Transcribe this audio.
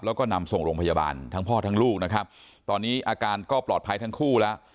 แล้วก็นำส่งโรงพยาบาลทั้งพ่อทั้งลูกนะครับตอนนี้อาการก็ปลอดภัยทั้งคู่แล้ว